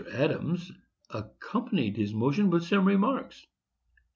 Adams accompanied his motion with some remarks.